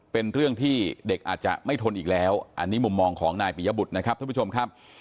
เป็นเรื่องที่เด็กอาจจะไม่ทนอีกแล้วอันนี้มุมมองของนายปิยบุตรนะครับท่านผู้ชมครับ